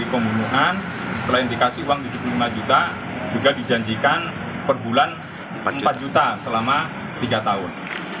jadi pembunuhan selain diberikan uang rp tujuh puluh lima juga dijanjikan perbulan rp empat selama tiga tahun